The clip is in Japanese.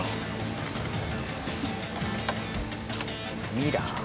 ミラー？